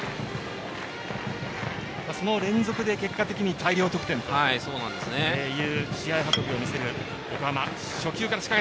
その連続で結果的に大量得点という試合運びを見せる横浜。